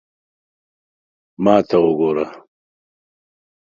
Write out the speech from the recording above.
ما ته وګوره